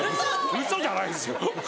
ウソじゃないですよ。